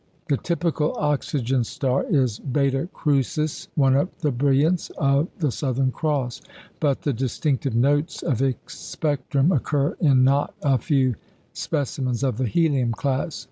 The typical "oxygen star" is Beta Crucis, one of the brilliants of the Southern Cross; but the distinctive notes of its spectrum occur in not a few specimens of the helium class.